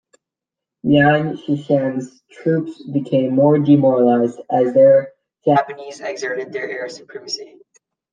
Yan Xishan's troops became more demoralised as the Japanese exerted their air supremacy.